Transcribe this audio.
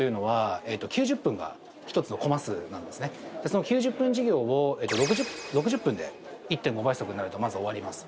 その９０分授業を６０分で１．５倍速になるとまず終わります。